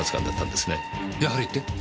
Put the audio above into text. やはりって？